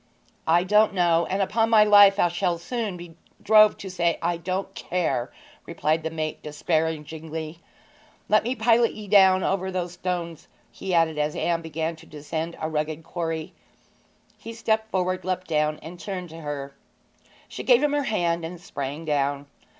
'I don't know, and, upon my life, I shall soon be drove to say I don't care!' replied the mate despairingly. 'Let me pilot ye down over those stones,' he added, as Anne began to descend a rugged quarry. He stepped forward, leapt down, and turned to her. She gave him her hand and sprang down.